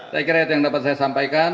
saya kira itu yang dapat saya sampaikan